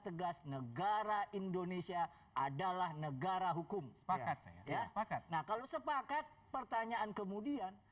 tegas negara indonesia adalah negara hukum sepakat saya ya sepakat nah kalau sepakat pertanyaan kemudian